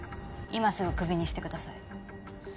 今すぐクビにしてください。